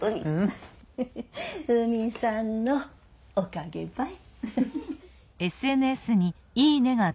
海さんのおかげばい。